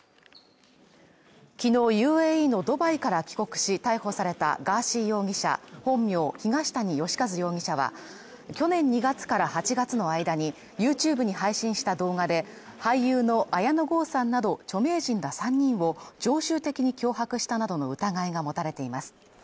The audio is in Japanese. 昨日ＵＡＥのドバイから帰国し逮捕されたガーシー容疑者本名東谷義和容疑者は去年２月から８月の間にＹｏｕＴｕｂｅに配信した動画で、俳優の綾野剛さんなど著名人が３人を常習的に脅迫したなどの疑いが持たれています。